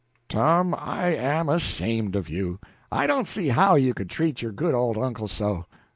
"Tom, I am ashamed of you! I don't see how you could treat your good old uncle so.